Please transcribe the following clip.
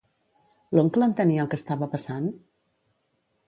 L'oncle entenia el que estava passant?